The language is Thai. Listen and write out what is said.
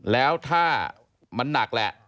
แล้วถ้ามันหนักแหละ